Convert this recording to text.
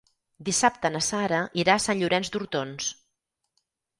Dissabte na Sara irà a Sant Llorenç d'Hortons.